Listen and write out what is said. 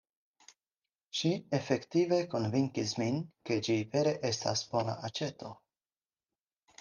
Ŝi efektive konvinkis min ke ĝi vere estas bona aĉeto.